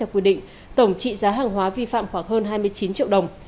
quy định tổng trị giá hàng hóa vi phạm khoảng hơn hai mươi chín triệu đồng